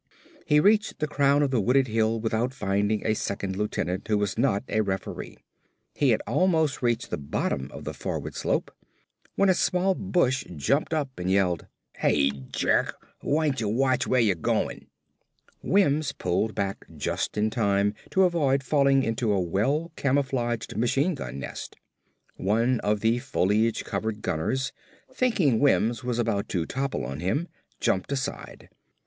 He reached the crown of the wooded hill without finding a second lieutenant who was not a referee. He had almost reached the bottom of the forward slope when a small bush jumped up and yelled, "Hey, jerk! Why'n't ya watch where ya goin'?" Wims pulled back just in time to avoid falling into a well camouflaged machine gun nest. One of the foliage covered gunners, thinking Wims was about to topple on him, jumped aside.